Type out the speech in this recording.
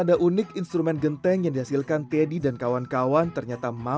di indonesia jatiwangi dikenal sebagai